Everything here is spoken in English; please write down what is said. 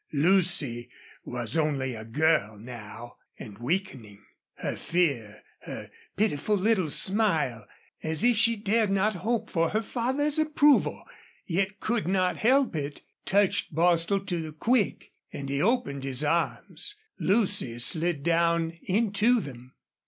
Lucy was only a girl now, and weakening. Her fear, her pitiful little smile, as if she dared not hope for her father's approval yet could not help it, touched Bostil to the quick, and he opened his arms. Lucy slid down into them.